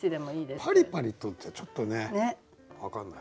「パリパリと」ってちょっとね分かんない。